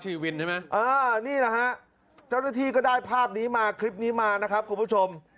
วินใช่ไหมเออนี่แหละฮะเจ้าหน้าที่ก็ได้ภาพนี้มาคลิปนี้มานะครับคุณผู้ชม